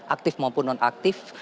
aktif maupun non aktif